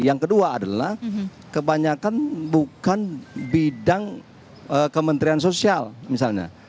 yang kedua adalah kebanyakan bukan bidang kementerian sosial misalnya